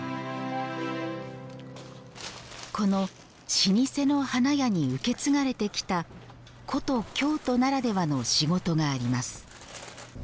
この老舗の花屋に受け継がれてきた古都・京都ならではの仕事があります。